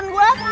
enggel aja dah